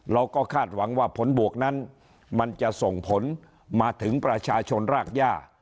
คาดหวังว่าผลบวกนั้นมันจะส่งผลมาถึงประชาชนรากย่า